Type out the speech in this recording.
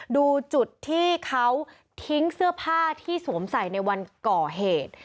ดูจุดที่เขาทิ้งเสื้อผ้าที่สวมใส่ในวันก่อเหตุ